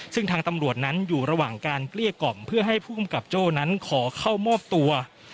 ซึ่งทางตำรวจนั้นอยู่ระหว่างการเกลี้ยกล่อมเพื่อให้ผู้กำกับโจ้นั้นขอเข้ามอบตัว